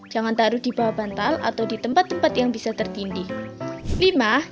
jangan taruh di bawah bantal atau di tempat tempat yang bisa tertindih